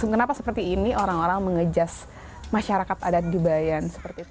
kenapa seperti ini orang orang mengejas masyarakat adat di bayan seperti itu